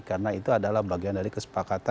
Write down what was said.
karena itu adalah bagian dari kesepakatan